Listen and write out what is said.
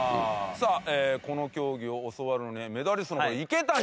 さあこの競技を教わるのにメダリストの池谷さんに。